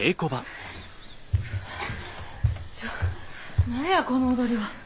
ちょ何やこの踊りは。